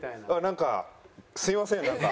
なんかすいませんなんか。